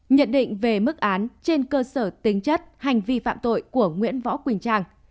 nhận định về mức án trên cơ sở tính chất hành vi phạm tội của nguyễn võ quỳnh trang